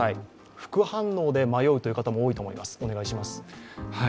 副反応で迷うという方も多いと思いますが、お願いします。